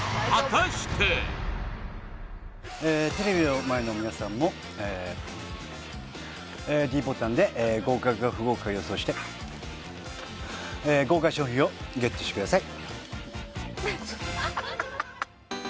えテレビの前の皆さんもええｄボタンで合格か不合格か予想してえ豪華賞品をＧＥＴしてください